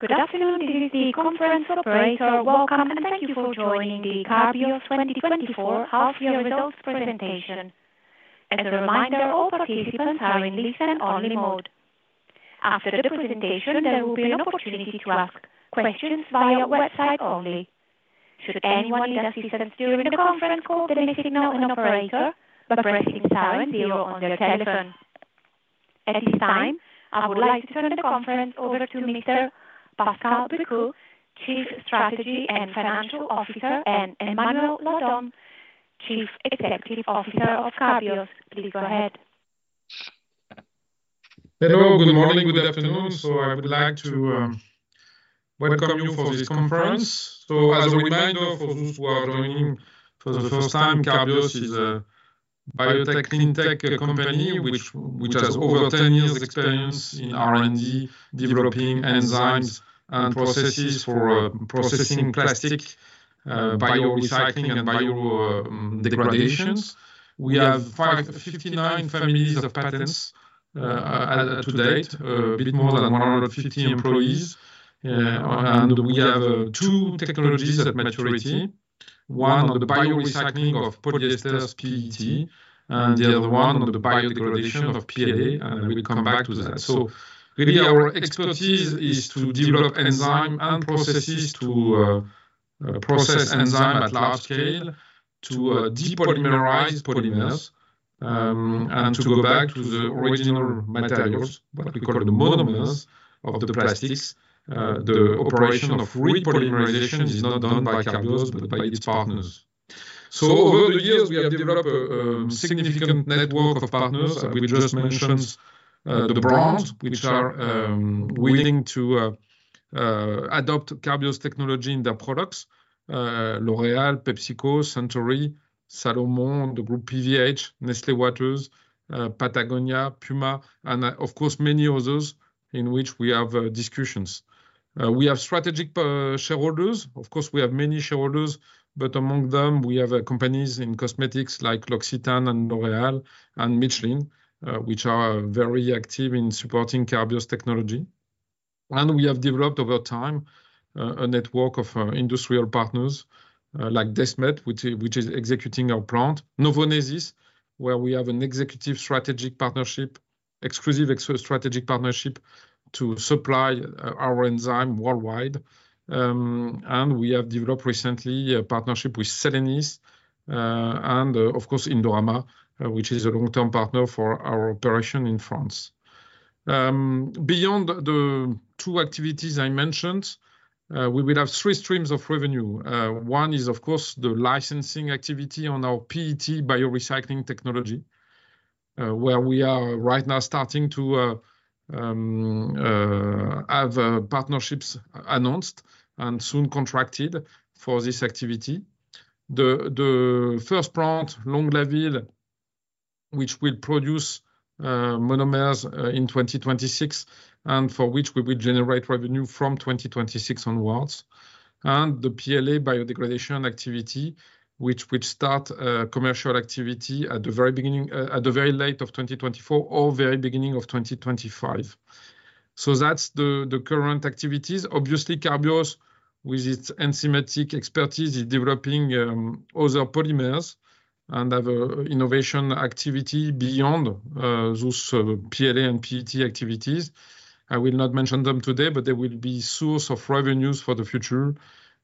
Good afternoon, this is the conference operator. Welcome, and thank you for joining the Carbios 2024 half year results presentation. As a reminder, all participants are in listen only mode. After the presentation, there will be an opportunity to ask questions via website only. Should anyone need assistance during the conference call, they may signal an operator by pressing seven zero on their telephone. At this time, I would like to turn the conference over to Mr. Pascal Bricout, Chief Strategy and Financial Officer, and Emmanuel Ladent, Chief Executive Officer of Carbios. Please go ahead. Hello, good morning, good afternoon. I would like to welcome you for this conference. As a reminder for those who are joining for the first time, Carbios is a biotech, clean tech company, which has over 10 years experience in R&D, developing enzymes and processes for processing plastic, biorecycling and biodegradations. We have 59 families of patents to date, a bit more than 150 employees. And we have two technologies at maturity. One, on the biorecycling of polyesters PET, and the other one on the biodegradation of PLA, and we'll come back to that. Really our expertise is to develop enzyme and processes to process enzyme at large scale, to depolymerize polymers, and to go back to the original materials, what we call the monomers of the plastics. The operation of repolymerization is not done by Carbios, but by its partners. So over the years, we have developed a significant network of partners. We just mentioned the brands which are willing to adopt Carbios technology in their products. L'Oréal, PepsiCo, Suntory, Salomon, the group PVH, Nestlé Waters, Patagonia, Puma, and of course, many others in which we have discussions. We have strategic shareholders. Of course, we have many shareholders, but among them, we have companies in cosmetics like L'Occitane and L'Oréal and Michelin, which are very active in supporting Carbios technology. And we have developed over time a network of industrial partners like Desmet, which is executing our plant. Novonesis, where we have an executive strategic partnership, exclusive strategic partnership to supply our enzyme worldwide. And we have developed recently a partnership with Selenis, and, of course, Indorama, which is a long-term partner for our operation in France. Beyond the two activities I mentioned, we will have three streams of revenue. One is, of course, the licensing activity on our PET biorecycling technology, where we are right now starting to have partnerships announced and soon contracted for this activity. The first plant, Longlaville, which will produce monomers in 2026, and for which we will generate revenue from 2026 onwards. And the PLA biodegradation activity, which will start commercial activity at the very beginning at the very late of 2024 or very beginning of 2025. So that's the current activities. Obviously, Carbios, with its enzymatic expertise, is developing other polymers and other innovation activity beyond those PLA and PET activities. I will not mention them today, but they will be source of revenues for the future,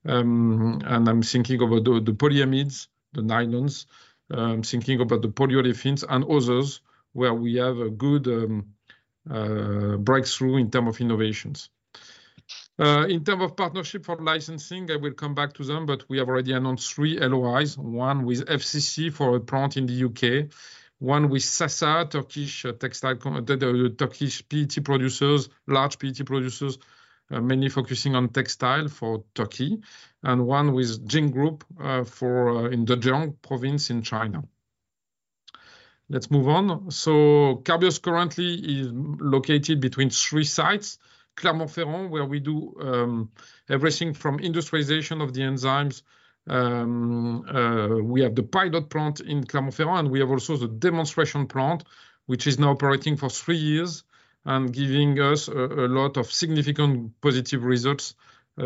and I'm thinking about the polyamides, the nylons. I'm thinking about the polyolefins and others, where we have a good breakthrough in term of innovations. In term of partnership for licensing, I will come back to them, but we have already announced three LOIs, one with FCC for a plant in the U.K., one with SASA, the Turkish PET producers, large PET producers, mainly focusing on textile for Turkey, and one with Zhink Group for in the Zhejiang province in China. Let's move on. Carbios currently is located between three sites: Clermont-Ferrand, where we do everything from industrialization of the enzymes. We have the pilot plant in Clermont-Ferrand. We have also the demonstration plant, which is now operating for three years and giving us a lot of significant positive results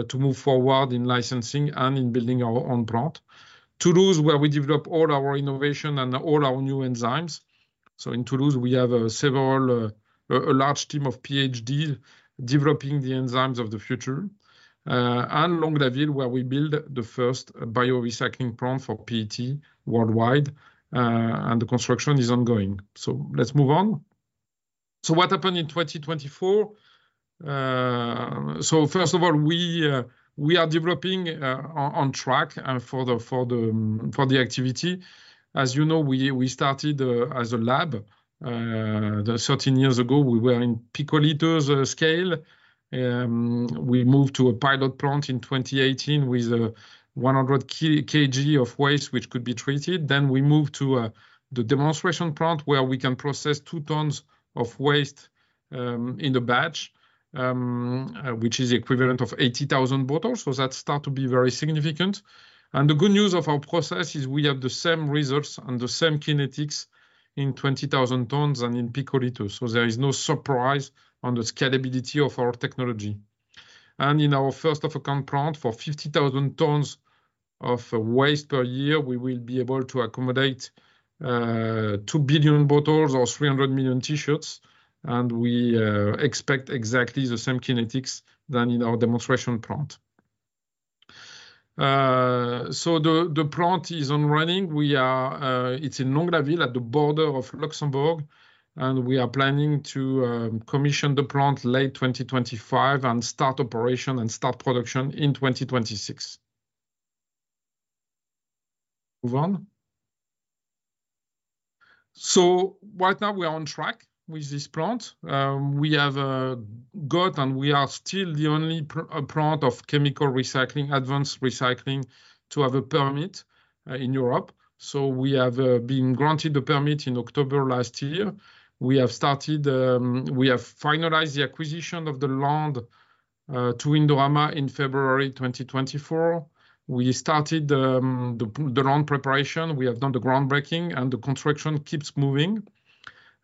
to move forward in licensing and in building our own plant. Toulouse, where we develop all our innovation and all our new enzymes. In Toulouse, we have a large team of PhDs developing the enzymes of the future. And Longlaville, where we build the first biorecycling plant for PET worldwide, and the construction is ongoing. Let's move on. What happened in twenty twenty-four? First of all, we are developing on track for the activity. As you know, we started as a lab. Thirteen years ago, we were in picoliter scale. We moved to a pilot plant in 2018 with 100 kg of waste, which could be treated. Then we moved to the demonstration plant, where we can process two tons of waste in the batch, which is equivalent of 80,000 bottles. So that start to be very significant. And the good news of our process is we have the same results and the same kinetics in 20,000 tons and in picoliters. So there is no surprise on the scalability of our technology. And in our first-of-a-kind plant, for 50,000 tons-... of waste per year, we will be able to accommodate two billion bottles or 300 million T-shirts, and we expect exactly the same kinetics than in our demonstration plant. So the plant is running. It's in Longlaville at the border of Luxembourg, and we are planning to commission the plant late 2025 and start operation and start production in 2026. Move on. So right now, we are on track with this plant. We have got, and we are still the only plant of chemical recycling, advanced recycling, to have a permit in Europe. So we have been granted the permit in October last year. We have finalized the acquisition of the land to Indorama in February 2024. We started the land preparation. We have done the groundbreaking, and the construction keeps moving.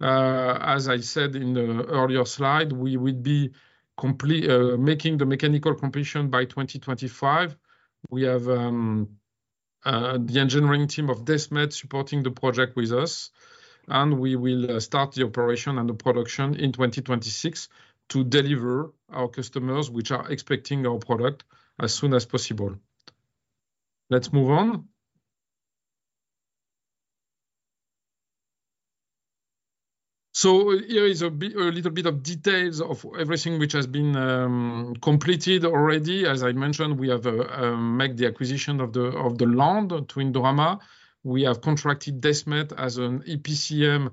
As I said in the earlier slide, we will be making the mechanical completion by 2025. We have the engineering team of Desmet supporting the project with us, and we will start the operation and the production in 2026 to deliver our customers, which are expecting our product as soon as possible. Let's move on. Here is a bit, a little bit of details of everything which has been completed already. As I mentioned, we have make the acquisition of the land to Indorama. We have contracted Desmet as an EPCM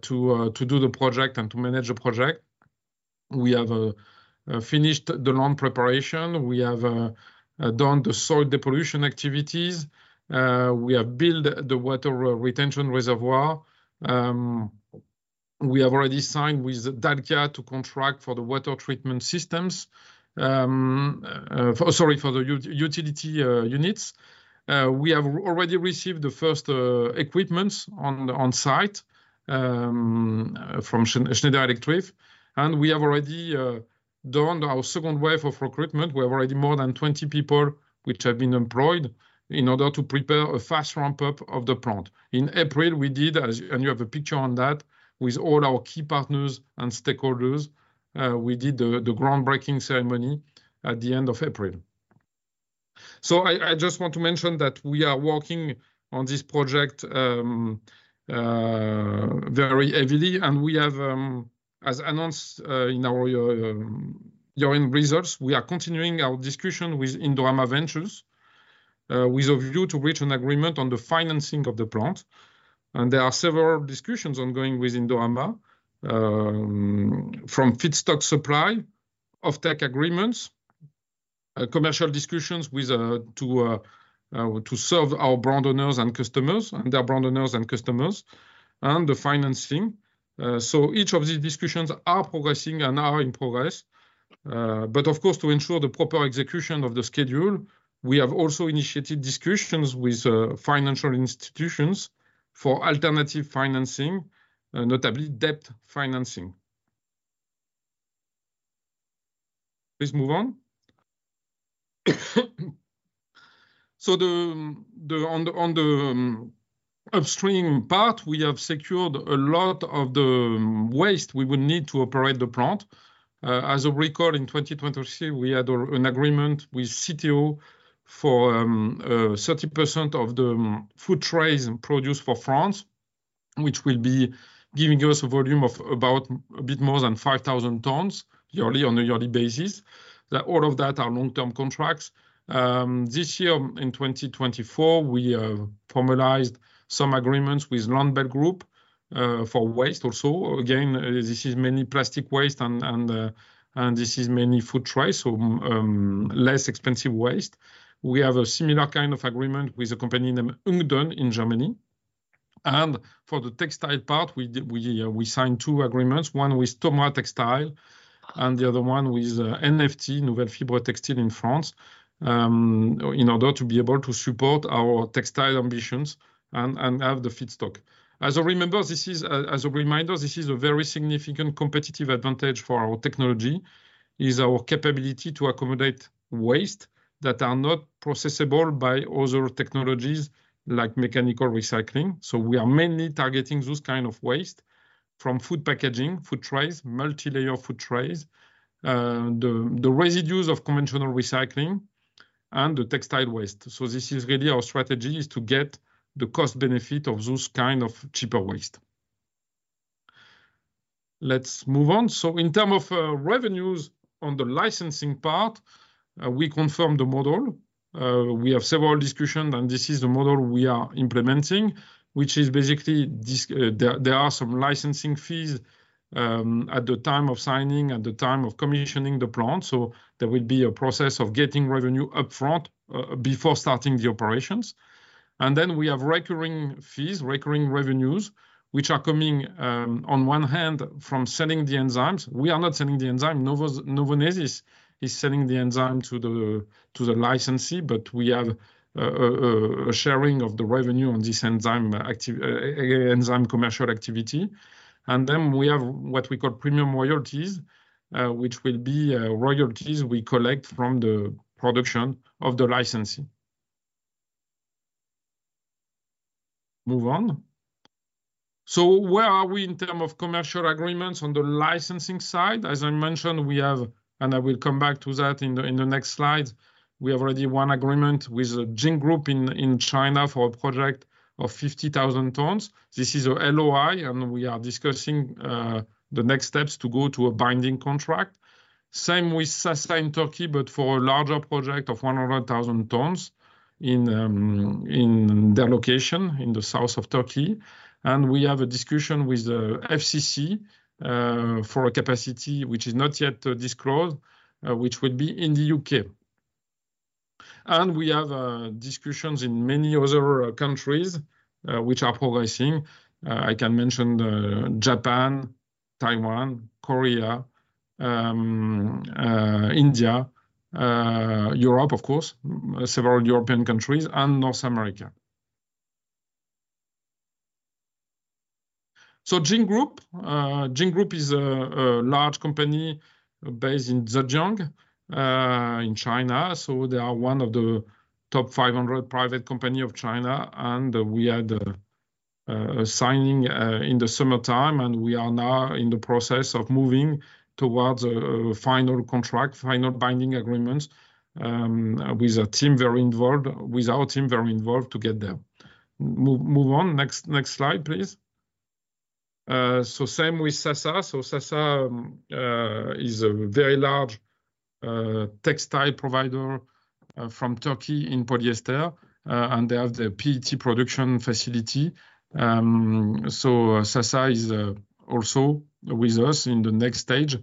to do the project and to manage the project. We have finished the land preparation. We have done the soil pollution activities. We have built the water retention reservoir. We have already signed with Dalkia to contract for the water treatment systems, for the utility units. We have already received the first equipments on the site, from Schneider Electric, and we have already done our second wave of recruitment. We have already more than 20 people which have been employed in order to prepare a fast ramp-up of the plant. In April, we did, and you have a picture on that, with all our key partners and stakeholders, we did the groundbreaking ceremony at the end of April. So I, I just want to mention that we are working on this project very heavily, and we have, as announced, in our yearly results, we are continuing our discussion with Indorama Ventures, with a view to reach an agreement on the financing of the plant. And there are several discussions ongoing with Indorama, from feedstock supply, offtake agreements, commercial discussions to serve our brand owners and customers, and their brand owners and customers, and the financing. So each of these discussions are progressing and are in progress, but of course, to ensure the proper execution of the schedule, we have also initiated discussions with financial institutions for alternative financing, notably debt financing. Please move on. So, on the upstream part, we have secured a lot of the waste we would need to operate the plant. As a record, in 2023, we had an agreement with Citeo for 30% of the food trays and produce for France, which will be giving us a volume of about a bit more than 5,000 tons yearly, on a yearly basis. That all of that are long-term contracts. This year, in 2024, we have formalized some agreements with Landbell Group for waste also. Again, this is mainly plastic waste and this is mainly food trays, so less expensive waste. We have a similar kind of agreement with a company named Hündgen Germany. For the textile part, we signed two agreements, one with Tomra Textile and the other one with NFT, Nouvelles Fibres Textiles in France, in order to be able to support our textile ambitions and have the feedstock. As a reminder, this is a very significant competitive advantage for our technology, our capability to accommodate waste that are not processable by other technologies like mechanical recycling. We are mainly targeting those kind of waste, from food packaging, food trays, multilayer food trays, the residues of conventional recycling, and the textile waste. This is really our strategy, to get the cost benefit of those kind of cheaper waste. Let's move on. In terms of revenues on the licensing part, we confirm the model. We have several discussions, and this is the model we are implementing, which is basically this. There are some licensing fees at the time of signing, at the time of commissioning the plant. So there will be a process of getting revenue upfront before starting the operations. And then we have recurring fees, recurring revenues, which are coming on one hand from selling the enzymes. We are not selling the enzyme. Novonesis is selling the enzyme to the licensee, but we have a sharing of the revenue on this enzyme commercial activity. And then we have what we call premium royalties, which will be royalties we collect from the production of the licensee. Move on. So where are we in terms of commercial agreements on the licensing side? As I mentioned, we have, and I will come back to that in the next slide, we have already one agreement with the Zhink Group in China for a project of 50,000 tons. This is a LOI, and we are discussing the next steps to go to a binding contract. Same with Sasa in Turkey, but for a larger project of 100,000 tons in their location in the south of Turkey. And we have a discussion with the FCC for a capacity which is not yet disclosed, which would be in the U.K. And we have discussions in many other countries which are progressing. I can mention Japan, Taiwan, Korea, India, Europe, of course, several European countries, and North America. So Zhink Group. Zhink Group is a large company based in Zhejiang in China, so they are one of the top 500 private company of China. And we had a signing in the summertime, and we are now in the process of moving towards a final contract, final binding agreement, with our team very involved to get there. Move on. Next slide, please. So same with Sasa. Sasa is a very large textile provider from Turkey in polyester, and they have the PET production facility. So Sasa is also with us in the next stage,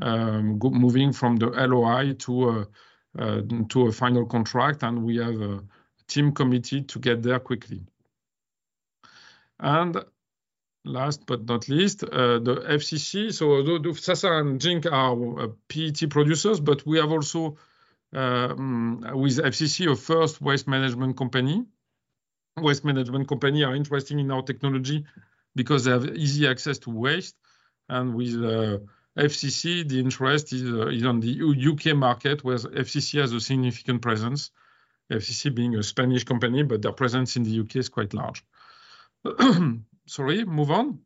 moving from the LOI to a final contract, and we have a team committed to get there quickly. And last but not least, the FCC. So Sasa and Zhink are PET producers, but we have also with FCC a first waste management company. Waste management company are interested in our technology because they have easy access to waste, and with FCC the interest is on the U.K. market, whereas FCC has a significant presence. FCC being a Spanish company, but their presence in the U.K. is quite large. Sorry, move on.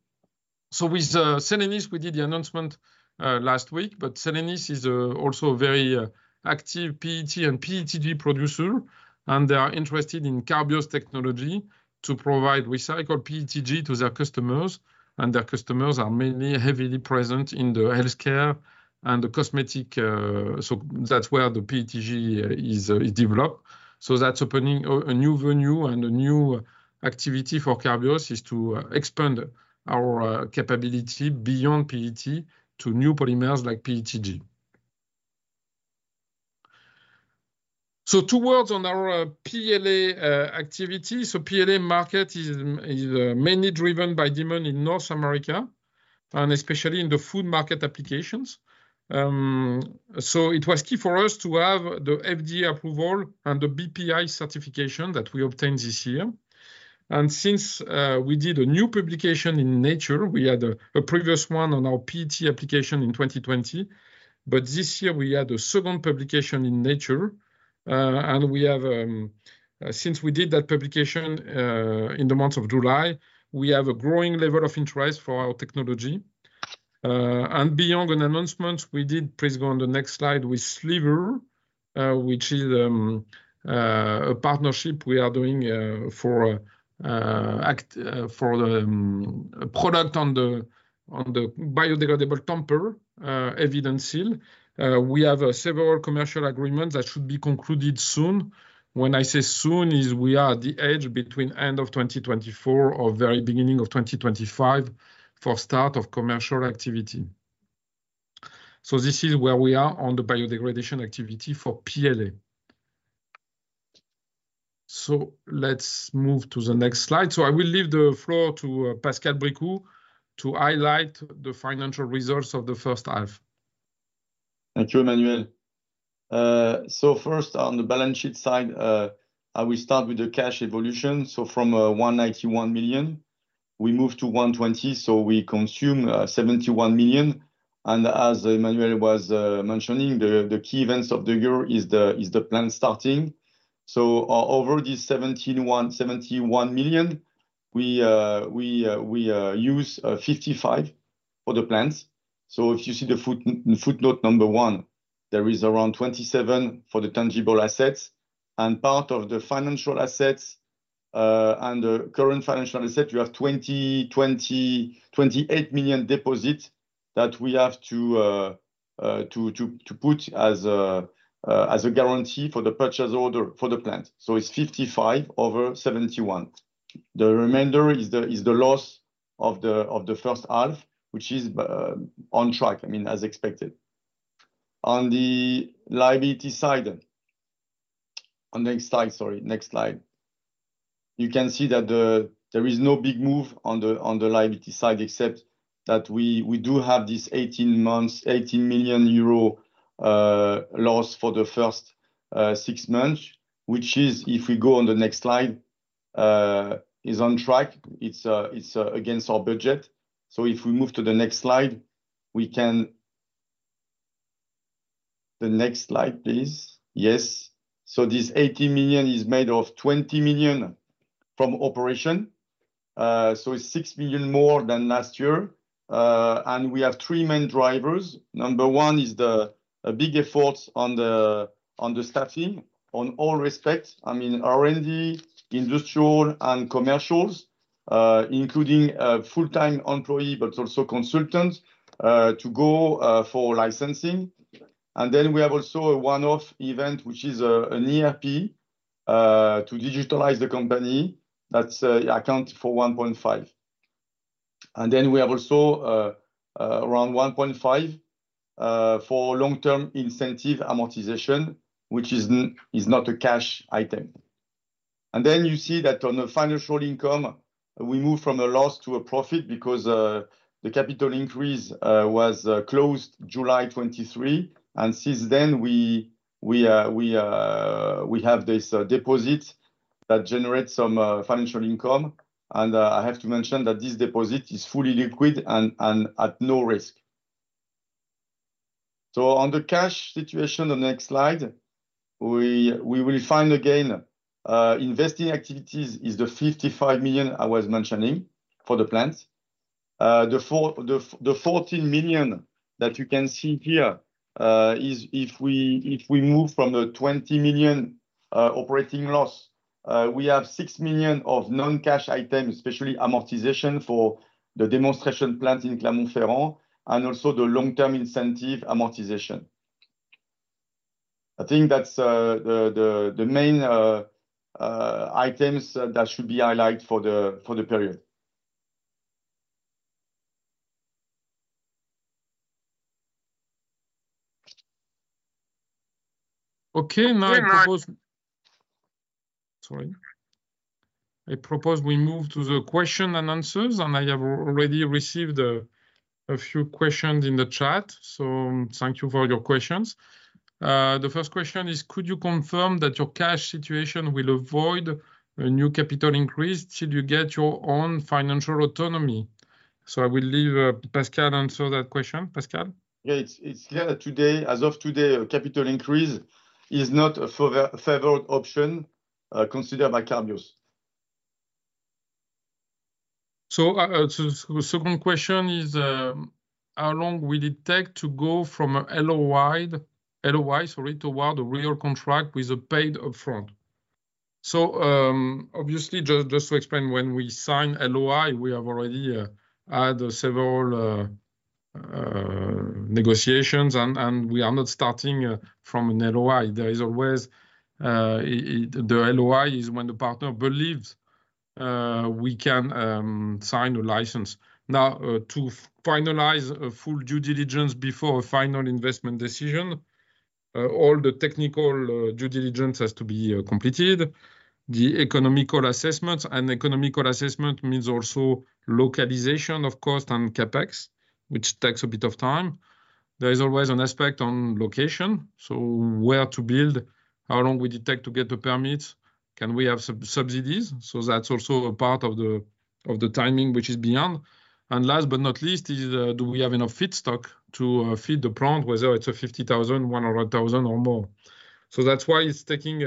So with Selenis we did the announcement last week, but Selenis is also a very active PET and PETG producer, and they are interested in Carbios technology to provide recycled PETG to their customers, and their customers are mainly heavily present in the healthcare and the cosmetic. So that's where the PETG is developed. So that's opening a new venue and a new activity for Carbios, is to expand our capability beyond PET to new polymers like PETG. So two words on our PLA activity. So PLA market is mainly driven by demand in North America, and especially in the food market applications. So it was key for us to have the FDA approval and the BPI certification that we obtained this year. And since we did a new publication in Nature, we had a previous one on our PET application in 2020. But this year we had a second publication in Nature, and we have, since we did that publication in the month of July, a growing level of interest for our technology. And beyond an announcement, we did please go on the next slide with Sleever, which is a partnership we are doing for the product on the biodegradable tamper evidence seal. We have several commercial agreements that should be concluded soon. When I say soon, is we are at the edge between end of twenty twenty-four or very beginning of twenty twenty-five for start of commercial activity. So this is where we are on the biodegradation activity for PLA. So let's move to the next slide. So I will leave the floor to Pascal Bricout to highlight the financial results of the first half. Thank you, Emmanuel. So first, on the balance sheet side, I will start with the cash evolution. So from 191 million, we moved to 120 million, so we consume 71 million. And as Emmanuel was mentioning, the key events of the year is the plant starting. So over these 71 million, we use 55 million for the plants. So if you see the footnote number one, there is around 27 million for the tangible assets and part of the financial assets. And the current financial asset, you have 28 million deposit that we have to put as a guarantee for the purchase order for the plant. So it's 55 million over 71 million. The remainder is the loss of the first half, which is on track, I mean, as expected. On the liability side, on the next slide, sorry. Next slide. You can see that there is no big move on the liability side, except that we do have this 80 million euro loss for the first six months, which is, if we go on the next slide, is on track. It's against our budget. So if we move to the next slide, we can. The next slide, please. Yes. So this 80 million is made of 20 million from operation, so it's 6 million more than last year. And we have three main drivers. Number one is the big effort on the staffing, on all respects. I mean, R&D, industrial, and commercials, including full-time employee, but also consultants, to go for licensing. And then we have also a one-off event, which is an ERP to digitalize the company. That's accounts for 1.5. And then we have also around 1.5 for long-term incentive amortization, which is not a cash item. And then you see that on the financial income, we move from a loss to a profit because the capital increase was closed July 2023, and since then, we have this deposit that generates some financial income. And I have to mention that this deposit is fully liquid and at no risk. So on the cash situation, the next slide, we will find again, investing activities is the 55 million I was mentioning for the plant. The fourteen million that you can see here is if we move from the 20 million operating loss, we have 6 million of non-cash items, especially amortization for the demonstration plant in Clermont-Ferrand and also the long-term incentive amortization. I think that's the main items that should be highlighted for the period. I propose we move to the question and answers, and I have already received a few questions in the chat, so thank you for all your questions. The first question is: could you confirm that your cash situation will avoid a new capital increase should you get your own financial autonomy? So I will leave Pascal to answer that question. Pascal? Yeah, it's clear today, as of today, a capital increase is not a favored option considered by Carbios. The second question is: how long will it take to go from a LOI, LOI, sorry, toward a real contract with a paid upfront? Obviously, just to explain, when we sign LOI, we have already had several negotiations and we are not starting from an LOI. The LOI is when the partner believes we can sign a license. Now, to finalize a full due diligence before a final investment decision, all the technical due diligence has to be completed. The economical assessments, and economical assessment means also localization, of course, and CapEx, which takes a bit of time. There is always an aspect on location, so where to build, how long it will take to get the permits, can we have subsidies? So that's also a part of the timing, which is beyond. And last but not least, do we have enough feedstock to feed the plant, whether it's a 50,000, 100,000, or more. So that's why it's taking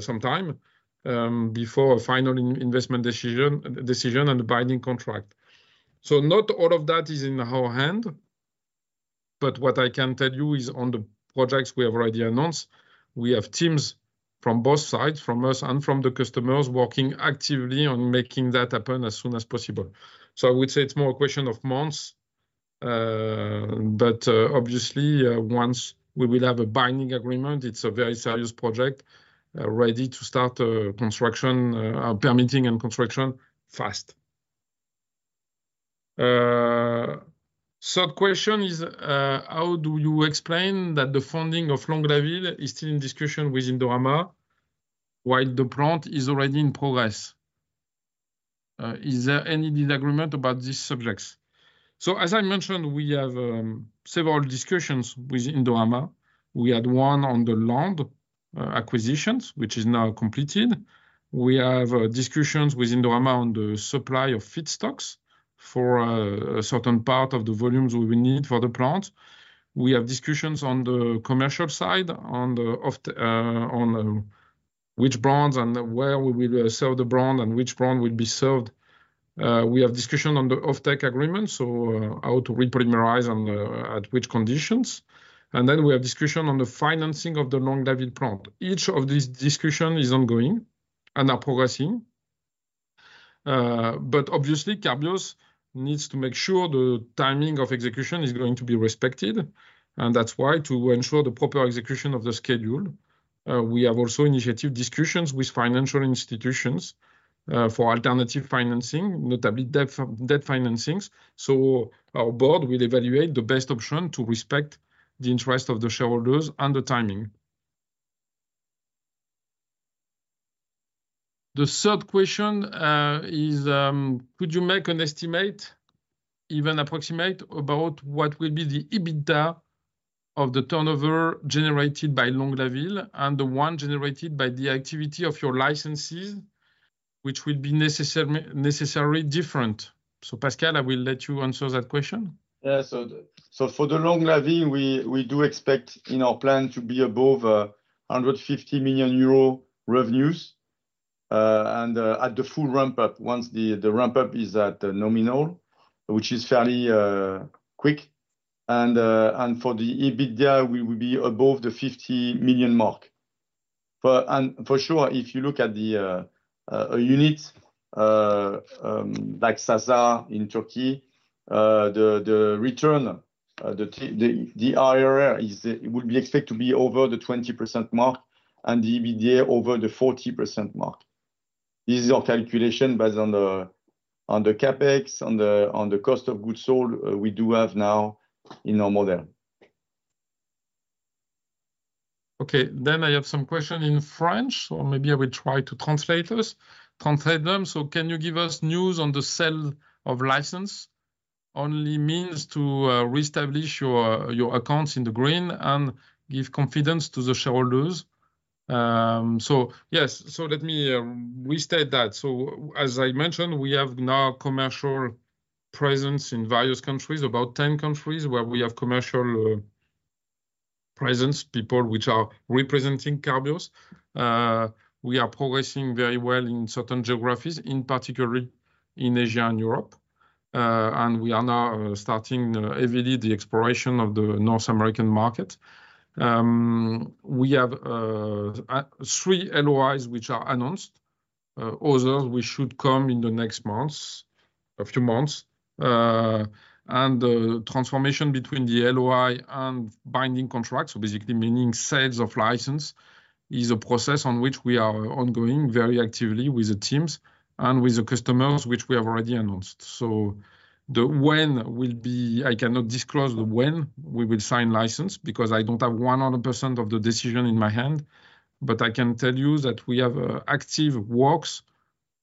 some time before a final investment decision and a binding contract. So not all of that is in our hand, but what I can tell you is on the projects we have already announced, we have teams from both sides, from us and from the customers, working actively on making that happen as soon as possible. So I would say it's more a question of months, but obviously, once we will have a binding agreement, it's a very serious project ready to start construction, permitting and construction fast. Third question is: how do you explain that the funding of Longlaville is still in discussion with Indorama while the plant is already in progress? Is there any disagreement about these subjects? So, as I mentioned, we have several discussions with Indorama. We had one on the land acquisitions, which is now completed. We have discussions with Indorama on the supply of feedstocks for a certain part of the volumes we will need for the plant. We have discussions on the commercial side, on the off-take, on which brands and where we will sell the brand and which brand will be sold. We have discussion on the off-take agreement, so, how to repolymerize and at which conditions. And then we have discussion on the financing of the Longlaville plant. Each of these discussion is ongoing and are progressing. But obviously, Carbios needs to make sure the timing of execution is going to be respected, and that's why, to ensure the proper execution of the schedule, we have also initiated discussions with financial institutions, for alternative financing, notably debt financings. So our board will evaluate the best option to respect the interest of the shareholders and the timing. The third question is: could you make an estimate, even approximate, about what will be the EBITDA of the turnover generated by Longlaville and the one generated by the activity of your licensees?... which will be necessarily different. So, Pascal, I will let you answer that question. Yeah, so for the Longlaville, we do expect in our plan to be above 150 million euro revenues. And at the full ramp up, once the ramp-up is at nominal, which is fairly quick, and for the EBITDA, we will be above the 50 million mark. But and for sure, if you look at the unit, like Sasa in Turkey, the return, the IRR would be expected to be over the 20% mark and the EBITDA over the 40% mark. This is our calculation based on the CapEx, on the cost of goods sold we do have now in our model. Okay, then I have some question in French, so maybe I will try to translate this, translate them. So can you give us news on the sale of license? Only means to reestablish your accounts in the green and give confidence to the shareholders. So yes, so let me restate that. So as I mentioned, we have now commercial presence in various countries, about 10 countries, where we have commercial presence, people which are representing Carbios. We are progressing very well in certain geographies, in particular in Asia and Europe. And we are now starting avidly the exploration of the North American market. We have three LOIs which are announced. Others which should come in the next months, a few months. And the transformation between the LOI and binding contracts, so basically meaning sales of license, is a process on which we are ongoing very actively with the teams and with the customers, which we have already announced. So the when will be... I cannot disclose the when we will sign license, because I don't have 100% of the decision in my hand, but I can tell you that we have active works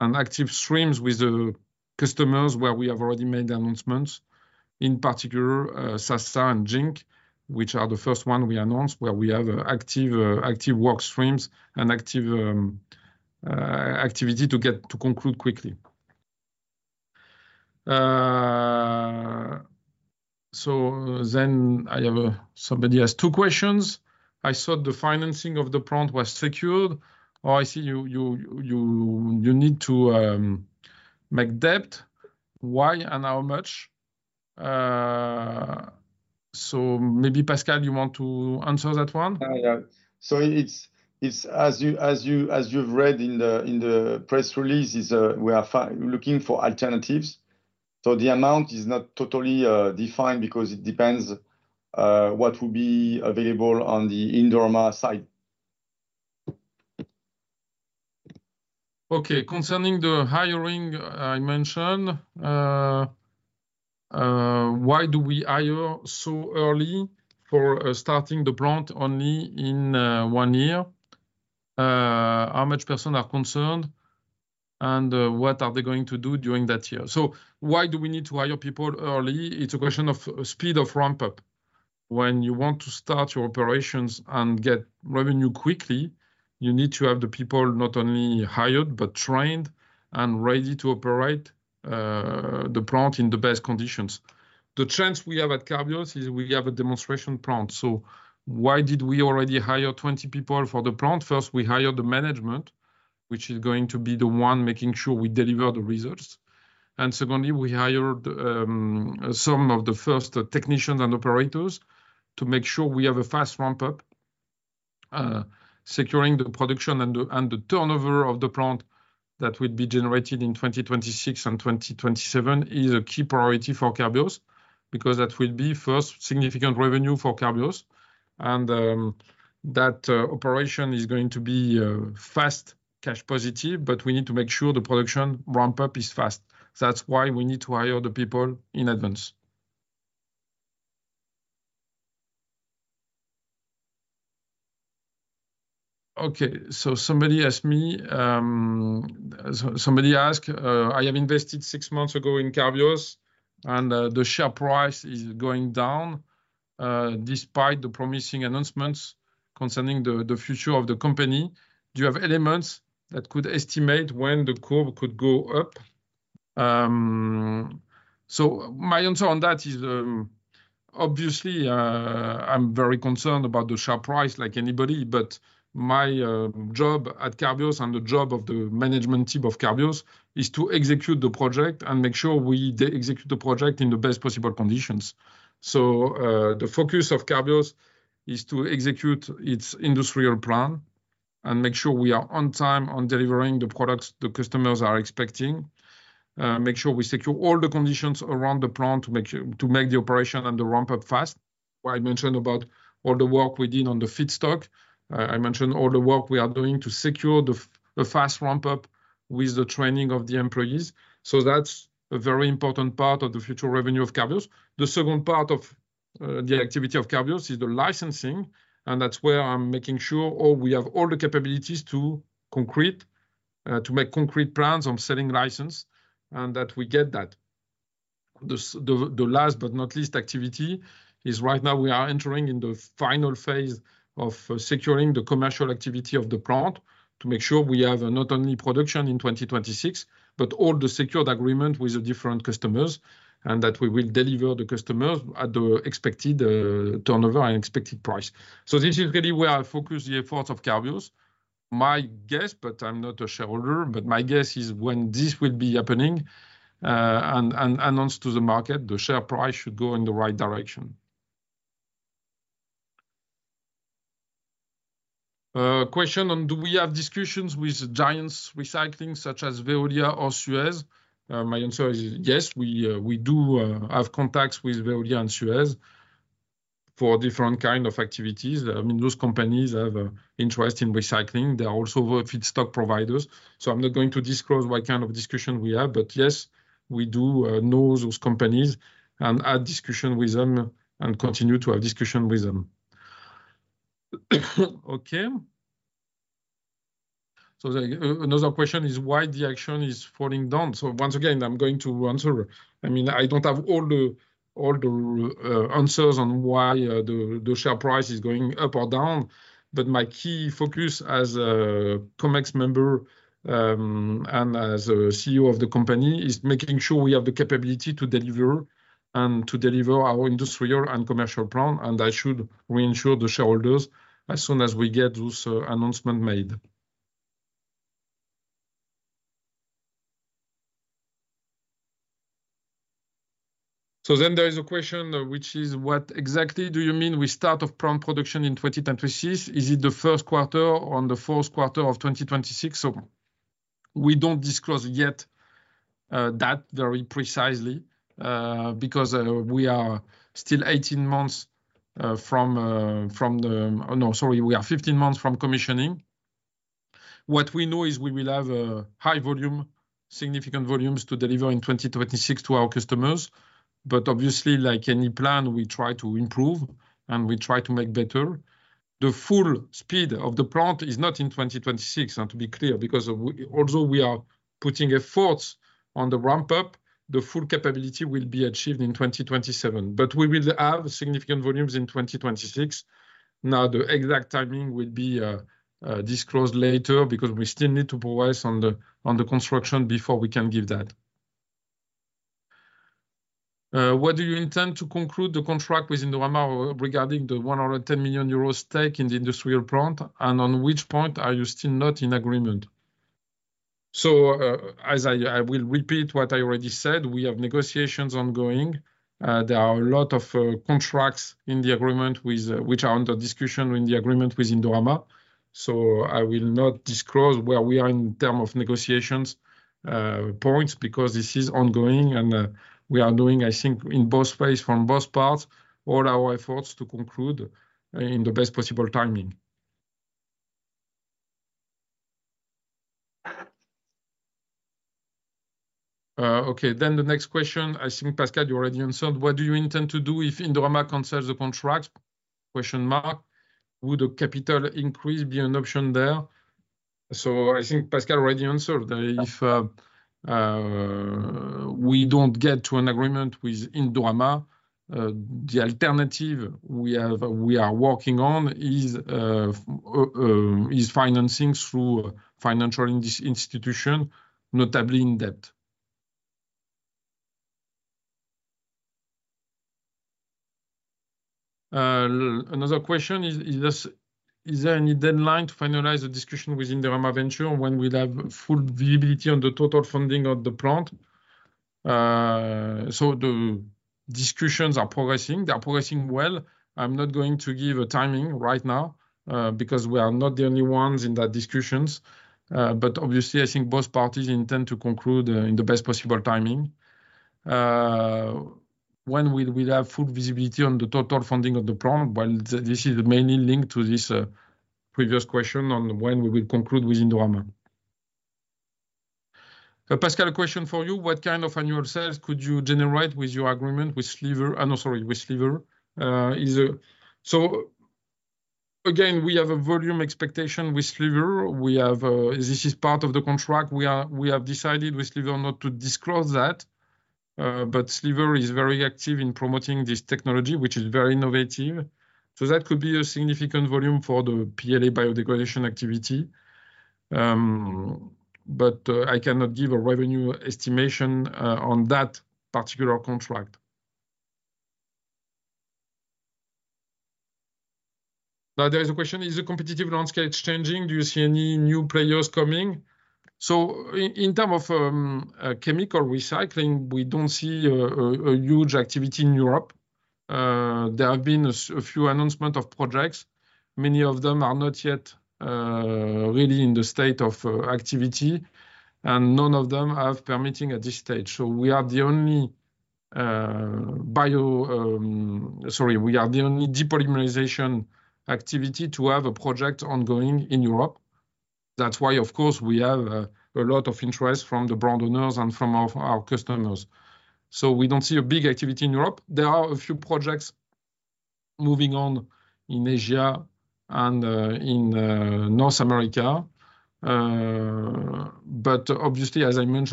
and active streams with the customers where we have already made announcements. In particular, Sasa and Zhink, which are the first one we announced, where we have active work streams and active activity to get to conclude quickly. So then I have somebody has two questions. I thought the financing of the plant was secured, or I see you need to make debt. Why and how much? So maybe, Pascal, you want to answer that one? Yeah. So it's as you've read in the press release, we are looking for alternatives. So the amount is not totally defined because it depends what will be available on the Indorama side. Okay, concerning the hiring I mentioned, why do we hire so early for starting the plant only in one year? How much person are concerned, and what are they going to do during that year? So why do we need to hire people early? It's a question of speed of ramp-up. When you want to start your operations and get revenue quickly, you need to have the people not only hired, but trained and ready to operate the plant in the best conditions. The chance we have at Carbios is we have a demonstration plant. So why did we already hire 20 people for the plant? First, we hired the management, which is going to be the one making sure we deliver the results. Secondly, we hired some of the first technicians and operators to make sure we have a fast ramp-up. Securing the production and the turnover of the plant that will be generated in 2026 and 2027 is a key priority for Carbios, because that will be first significant revenue for Carbios. That operation is going to be fast cash positive, but we need to make sure the production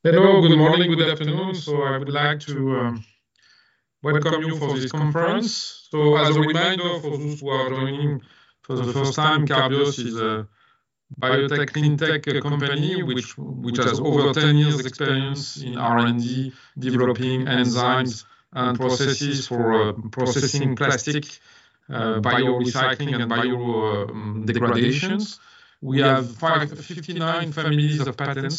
ramp-up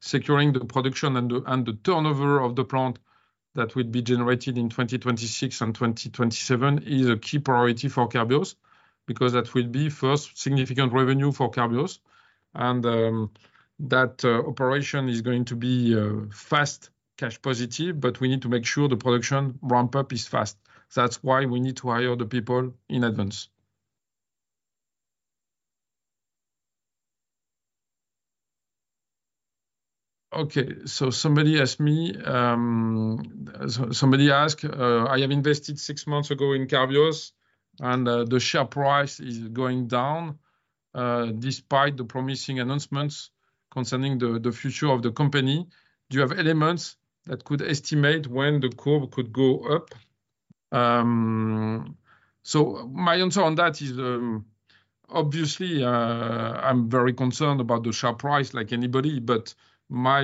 is fast. That's why we need to hire the people in advance. Okay, so somebody asked me. Somebody asked: I have invested six months ago in Carbios, and the share price is going down despite the promising announcements concerning the future of the company. Do you have elements that could estimate when the curve could go up? So my answer on that is, obviously, I'm very concerned about the share price, like anybody, but my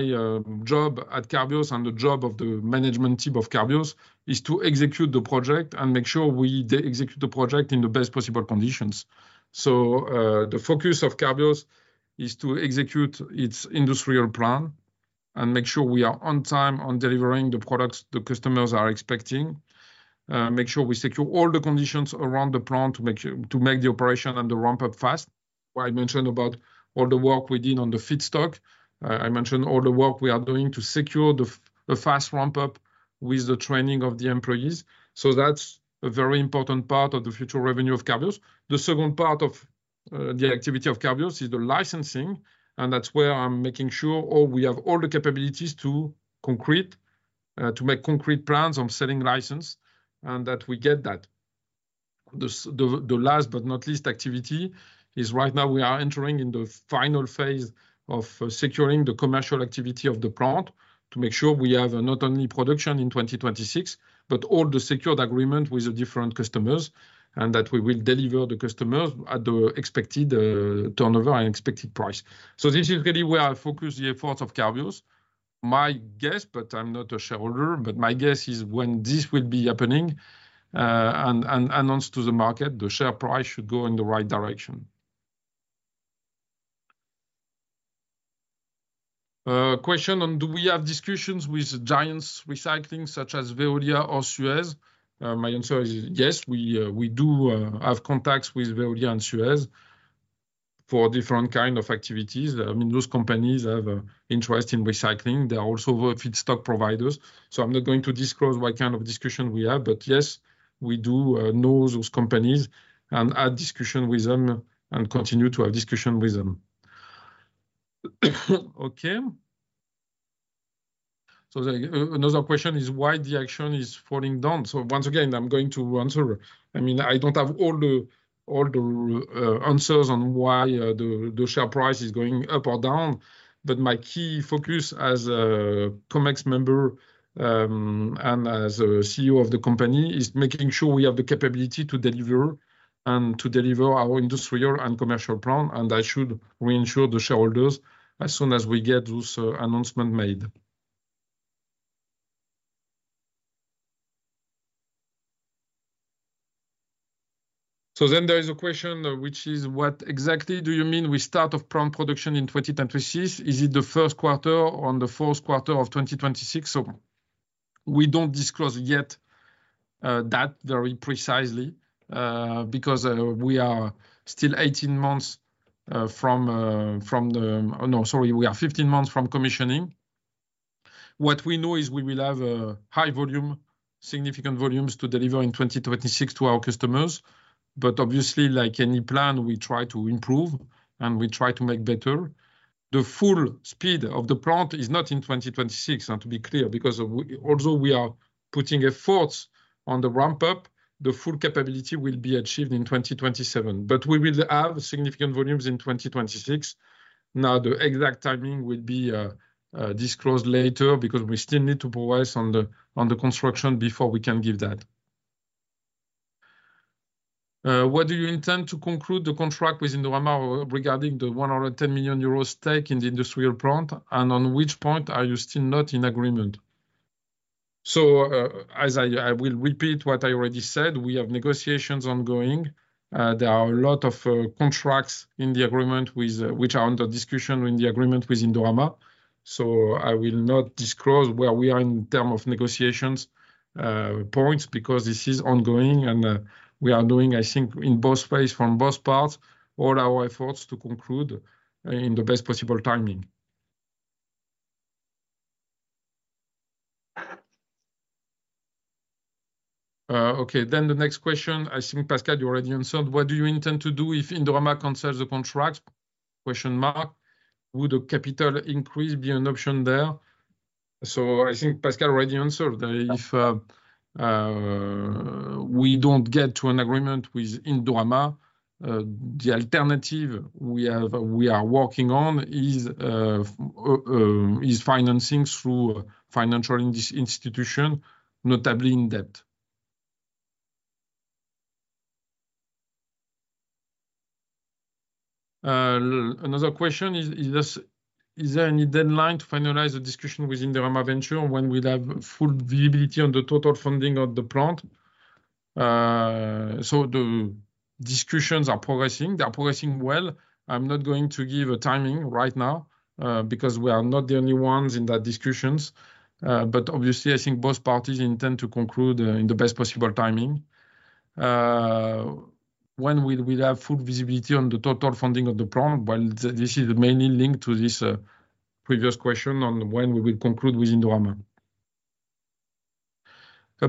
job at Carbios and the job of the management team of Carbios is to execute the project and make sure we execute the project in the best possible conditions. So the focus of Carbios is to execute its industrial plan and make sure we are on time on delivering the products the customers are expecting. Make sure we secure all the conditions around the plant to make sure to make the operation and the ramp-up fast. I mentioned about all the work we did on the feedstock. I mentioned all the work we are doing to secure the fast ramp-up with the training of the employees. So that's a very important part of the future revenue of Carbios. The second part of the activity of Carbios is the licensing, and that's where I'm making sure we have all the capabilities to concrete to make concrete plans on selling license, and that we get that. The last but not least activity is right now we are entering in the final phase of securing the commercial activity of the plant to make sure we have not only production in 2026, but all the secured agreement with the different customers, and that we will deliver the customers at the expected turnover and expected price. So this is really where I focus the efforts of Carbios. My guess, but I'm not a shareholder, but my guess is when this will be happening, and announced to the market, the share price should go in the right direction. Question on do we have discussions with giants in recycling such as Veolia or Suez? My answer is yes, we do have contacts with Veolia and Suez for different kind of activities. I mean, those companies have interest in recycling. They are also feedstock providers, so I'm not going to disclose what kind of discussion we have, but yes, we do know those companies and have discussion with them, and continue to have discussion with them. Okay. So the other question is why the action is falling down? So once again, I'm going to answer. I mean, I don't have all the answers on why the share price is going up or down, but my key focus as a Comex member and as a CEO of the company is making sure we have the capability to deliver and to deliver our industrial and commercial plan, and I should reassure the shareholders as soon as we get those announcement made. So then there is a question which is: what exactly do you mean with start of plant production in 2026? Is it the first quarter or the fourth quarter of 2026? So we don't disclose yet that very precisely because we are still 18 months from the... No, sorry, we are 15 months from commissioning. What we know is we will have a high volume, significant volumes to deliver in 2026 to our customers, but obviously, like any plan, we try to improve and we try to make better. The full speed of the plant is not in 2026, and to be clear, because we, although we are putting efforts on the ramp-up, the full capability will be achieved in 2027. But we will have significant volumes in 2026. Now, the exact timing will be disclosed later because we still need to progress on the construction before we can give that. What do you intend to conclude the contract with Indorama regarding the 110 million euros stake in the industrial plant, and on which point are you still not in agreement? As I will repeat what I already said, we have negotiations ongoing. There are a lot of contracts in the agreement with which are under discussion in the agreement with Indorama, so I will not disclose where we are in terms of negotiations points, because this is ongoing and we are doing, I think, in both ways, from both parts, all our efforts to conclude in the best possible timing. Okay, then the next question, I think, Pascal, you already answered. What do you intend to do if Indorama cancels the contract? Would a capital increase be an option there? I think Pascal already answered if we don't get to an agreement with Indorama, the alternative we have we are working on is financing through financial institution, notably in debt. Another question is, is there any deadline to finalize the discussion with Indorama Ventures when we'd have full visibility on the total funding of the plant? The discussions are progressing. They are progressing well. I'm not going to give a timing right now because we are not the only ones in that discussions. But obviously, I think both parties intend to conclude in the best possible timing. When will we have full visibility on the total funding of the plant? This is mainly linked to this previous question on when we will conclude with Indorama.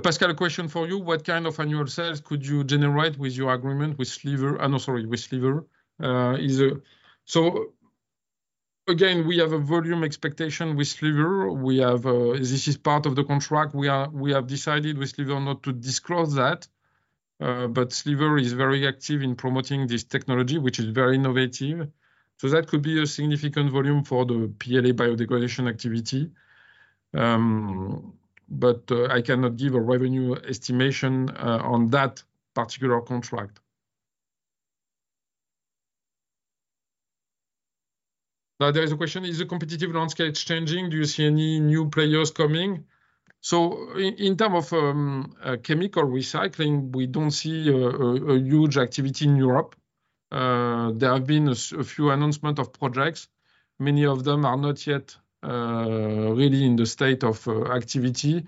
Pascal, a question for you: What kind of annual sales could you generate with your agreement with Sleever? No, sorry, with Sleever. So again, we have a volume expectation with Sleever. We have, this is part of the contract. We have decided with Sleever not to disclose that, but Sleever is very active in promoting this technology, which is very innovative, so that could be a significant volume for the PLA biodegradation activity. But, I cannot give a revenue estimation on that particular contract. Now, there is a question: Is the competitive landscape changing? Do you see any new players coming? So in terms of chemical recycling, we don't see a huge activity in Europe. There have been a few announcements of projects. Many of them are not yet really in the state of activity,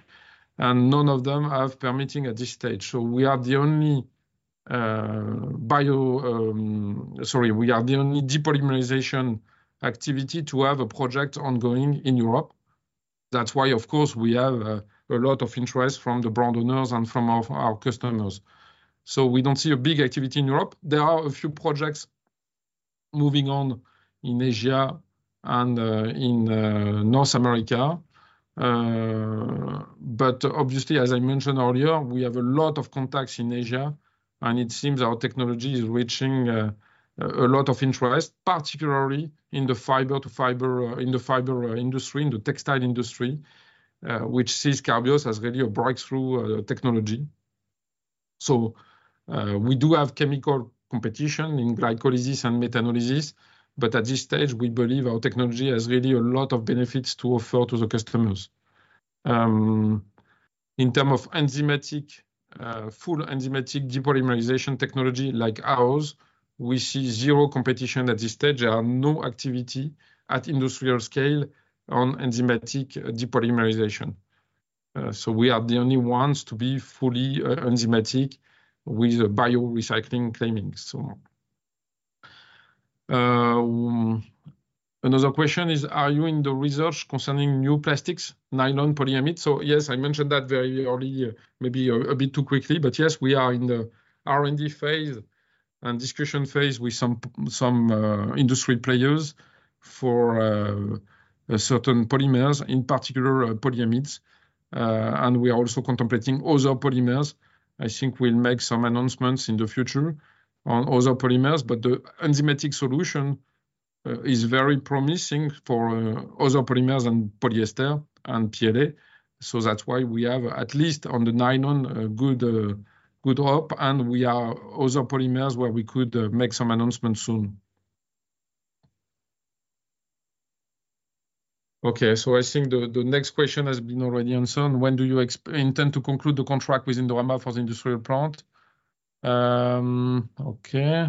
and none of them have permitting at this stage. So we are the only depolymerization activity to have a project ongoing in Europe. That's why, of course, we have a lot of interest from the brand owners and from our customers. So we don't see a big activity in Europe. There are a few projects moving on in Asia and in North America. But obviously, as I mentioned earlier, we have a lot of contacts in Asia, and it seems our technology is reaching a lot of interest, particularly in the fiber to fiber in the fiber industry, in the textile industry, which sees Carbios as really a breakthrough technology. We do have chemical competition in glycolysis and methanolysis, but at this stage, we believe our technology has really a lot of benefits to offer to the customers. In terms of enzymatic, full enzymatic depolymerization technology like ours, we see zero competition at this stage. There are no activity at industrial scale on enzymatic depolymerization. So we are the only ones to be fully enzymatic with biorecycling claiming, so. Another question is, are you in the research concerning new plastics, nylon polyamides? Yes, I mentioned that very early, maybe a bit too quickly, but yes, we are in the R&D phase and discussion phase with some industry players for certain polymers, in particular, polyamides. And we are also contemplating other polymers. I think we'll make some announcements in the future on other polymers, but the enzymatic solution is very promising for other polymers and polyester and PLA. So that's why we have, at least on the nylon, a good hope, and we have other polymers where we could make some announcements soon. Okay, so I think the next question has been already answered. When do you intend to conclude the contract with Indorama for the industrial plant? Okay.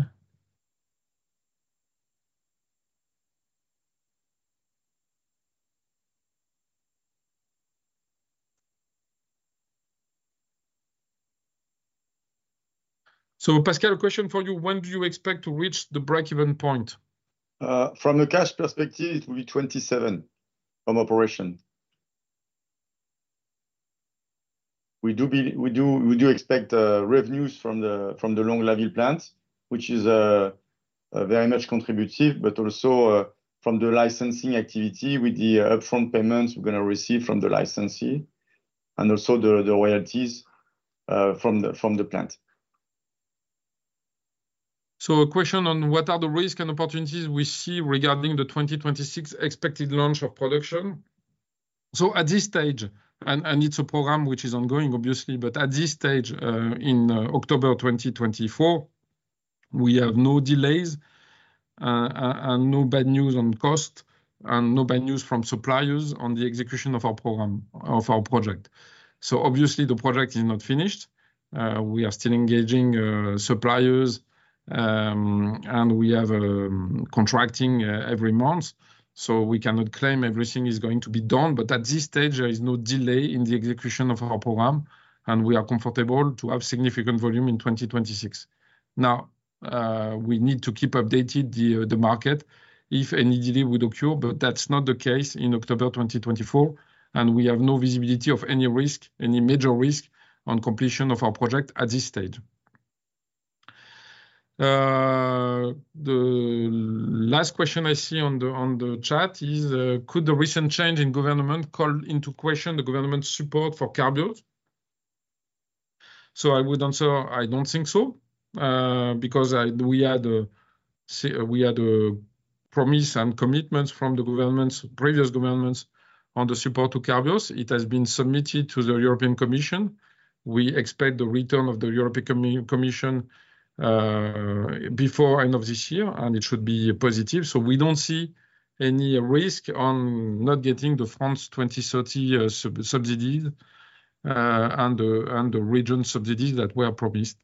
So Pascal, a question for you, when do you expect to reach the break-even point? From the cash perspective, it will be 27 from operation. We do expect revenues from the Longlaville plant, which is very much contributive, but also from the licensing activity with the upfront payments we're going to receive from the licensee, and also the royalties from the plant. So a question on what are the risks and opportunities we see regarding the 2026 expected launch of production? So at this stage, and it's a program which is ongoing, obviously, but at this stage, in October 2024, we have no delays, and no bad news on cost, and no bad news from suppliers on the execution of our program, of our project. So obviously, the project is not finished. We are still engaging suppliers, and we have contracting every month, so we cannot claim everything is going to be done. But at this stage, there is no delay in the execution of our program, and we are comfortable to have significant volume in 2026. Now, we need to keep updated the market if any delay would occur, but that's not the case in October 2024, and we have no visibility of any risk, any major risk, on completion of our project at this stage. The last question I see on the chat is, could the recent change in government call into question the government support for Carbios? So I would answer, I don't think so, because we had promise and commitments from the governments, previous governments, on the support to Carbios. It has been submitted to the European Commission. We expect the return of the European Commission before end of this year, and it should be positive. So we don't see any risk on not getting the France 2030 subsidies, and the region subsidies that were promised,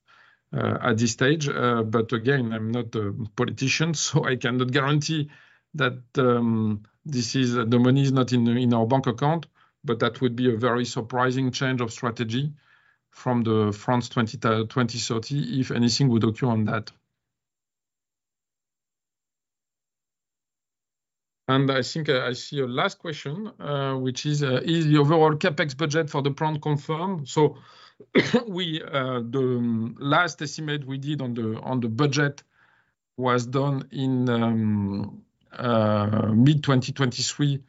at this stage. But again, I'm not a politician, so I cannot guarantee that. The money is not in our bank account, but that would be a very surprising change of strategy from the France 2030, if anything would occur on that. And I think I see a last question, which is, is the overall CapEx budget for the plant confirmed? So, the last estimate we did on the budget was done in mid-2023,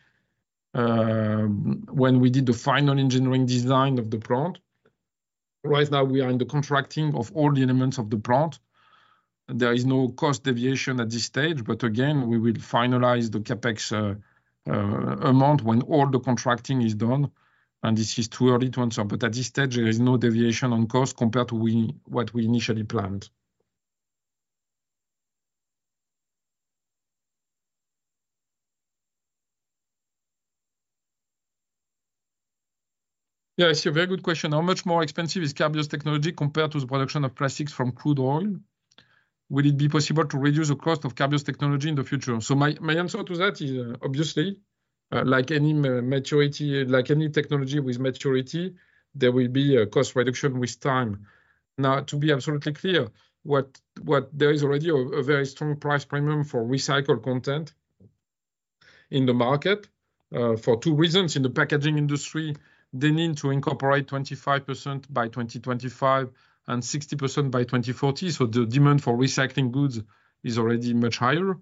when we did the final engineering design of the plant. Right now, we are in the contracting of all the elements of the plant. There is no cost deviation at this stage, but again, we will finalize the CapEx amount when all the contracting is done, and this is too early to answer. But at this stage, there is no deviation on cost compared to what we initially planned. Yeah, I see a very good question. How much more expensive is Carbios technology compared to the production of plastics from crude oil? Will it be possible to reduce the cost of Carbios technology in the future? So my answer to that is, obviously, like any technology with maturity, there will be a cost reduction with time. Now, to be absolutely clear, there is already a very strong price premium for recycled content in the market, for two reasons. In the packaging industry, they need to incorporate 25% by 2025, and 60% by 2040. So the demand for recycling goods is already much higher.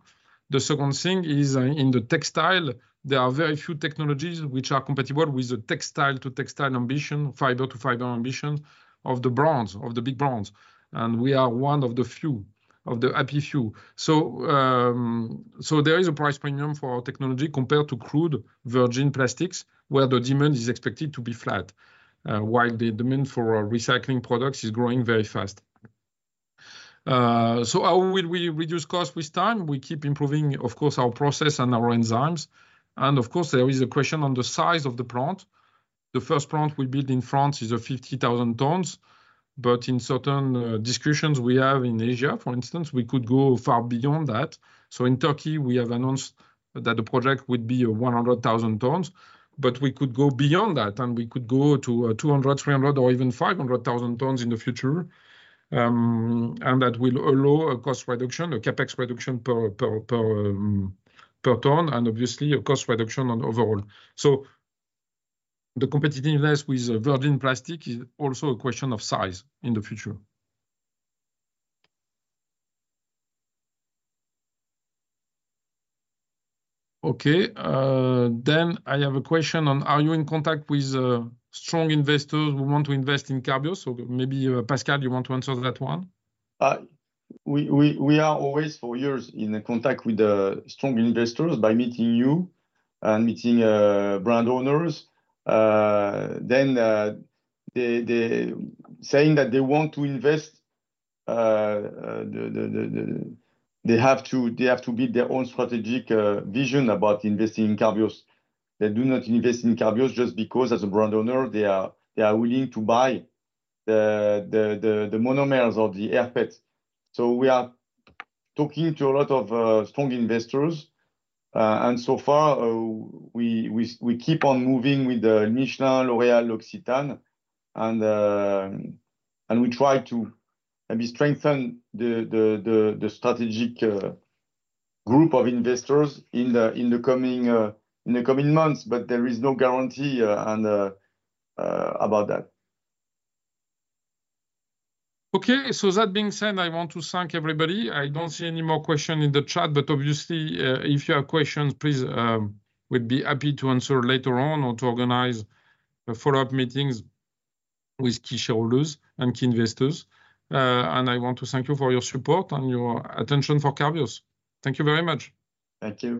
The second thing is, in the textile, there are very few technologies which are compatible with the textile-to-textile ambition, fiber-to-fiber ambition of the brands, of the big brands, and we are one of the few, but in certain discussions we have in Asia, for instance, we could go far beyond that. So in Turkey, we have announced that the project would be a 100,000 tons, but we could go beyond that, and we could go to 200,000, 300,000, or even 500,000 tons in the future. And that will allow a cost reduction, a CapEx reduction per ton, and obviously, a cost reduction on overall. So the competitiveness with virgin plastic is also a question of size in the future. Okay, then I have a question on: Are you in contact with strong investors who want to invest in Carbios? So maybe, Pascal, you want to answer that one. We are always for years in contact with the strong investors by meeting you and meeting brand owners. Then they saying that they want to invest. They have to build their own strategic vision about investing in Carbios. They do not invest in Carbios just because as a brand owner, they are willing to buy the monomers or the rPET. So we are talking to a lot of strong investors, and so far we keep on moving with the L'Oréal, L'Occitane, and we try to maybe strengthen the strategic group of investors in the coming months, but there is no guarantee about that. Okay, so that being said, I want to thank everybody. I don't see any more question in the chat, but obviously, if you have questions, please, we'd be happy to answer later on or to organize follow-up meetings with key shareholders and key investors, and I want to thank you for your support and your attention for Carbios. Thank you very much. Thank you.